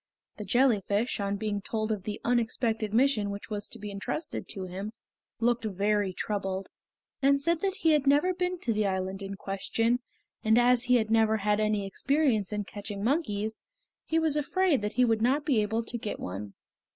The jellyfish, on being told of the unexpected mission which was to be entrusted to him, looked very troubled, and said that he had never been to the island in question, and as he had never had any experience in catching monkeys he was afraid that he would not be able to get one.